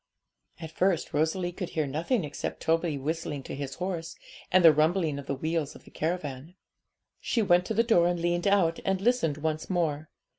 At first Rosalie could hear nothing except Toby whistling to his horse, and the rumbling of the wheels of the caravan. She went to the door and leaned out, and listened once more.